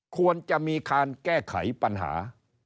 ควรจะมีการแก้ไขปัญหา